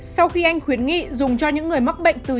sau khi anh khuyến nghị dùng cho những người mắc bệnh từ